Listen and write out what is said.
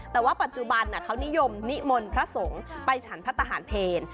แต่ว่าปัจจุบันเขานิยมนิมนต์พระสงฆ์ไปฉันพระทหารเพล